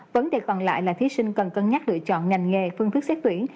vấn đề còn lại là thí sinh cần cân nhắc lựa chọn ngành nghề phương thức xét tuyển